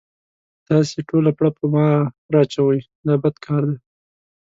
تاسې ټوله پړه په ما را اچوئ دا بد کار دی.